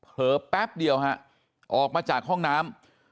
แป๊บเดียวฮะออกมาจากห้องน้ำ